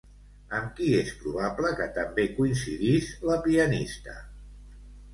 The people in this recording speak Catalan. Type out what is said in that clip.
Amb qui és probable que també coincidís la pianista?